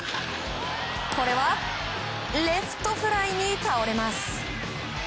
これはレフトフライに倒れます。